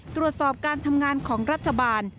ตรวจสอบการทำงานของรัฐบาล